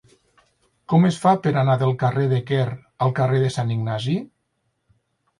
Com es fa per anar del carrer de Quer al carrer de Sant Ignasi?